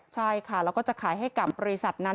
ใช่ค่ะแล้วก็จะขายให้กับบริษัทนั้น